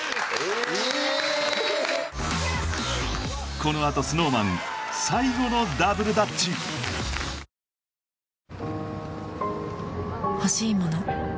このあとＳｎｏｗＭａｎ最後のダブルダッチ新しいリセッシューは！